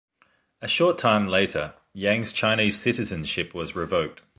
A short time later, Yang's Chinese citizenship was revoked.